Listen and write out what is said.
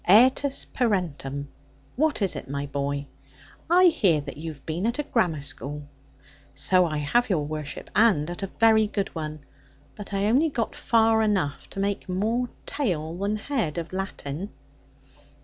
Aetas parentum, what is it, my boy? I hear that you have been at a grammar school.' 'So I have, your worship, and at a very good one; but I only got far enough to make more tail than head of Latin.'